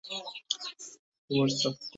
ছয় মাস ঘোড়ার গোবর সাফ করুক।